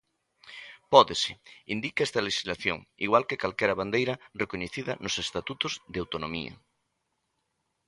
Pódese, indica esta lexislación, igual que calquera bandeira recoñecida nos estatutos de autonomía.